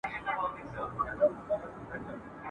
لا سبا توپاني کيږي ..